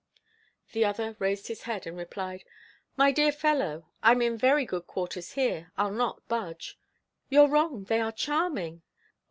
The other raised his head, and replied: "My dear fellow, I'm in very good quarters here; I'll not budge." "You're wrong. They are charming!"